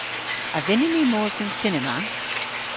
A vynnyn ni mos dhe'n cinema?